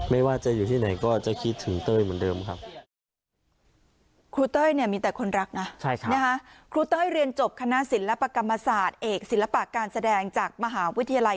ก็จะอยู่ในใจเพื่อนตลอดไป